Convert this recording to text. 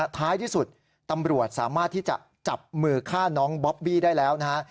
ท้ายที่สุดตำรวจสามารถที่จะจับมือฆ่าน้องบอบบี้ได้แล้วนะฮะ